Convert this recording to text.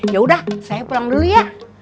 yaudah saya pulang dulu ya